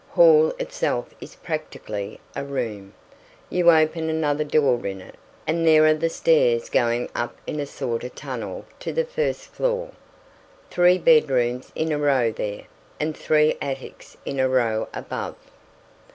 Hall itself is practically a room. You open another door in it, and there are the stairs going up in a sort of tunnel to the first floor. Three bedrooms in a row there, and three attics in a row above.